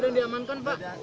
sudah ada yang diamankan pak